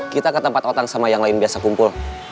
kita ke tempat otak sama yang lain biasa kumpul